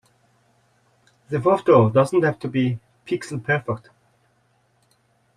The photo doesn't have to be pixel perfect.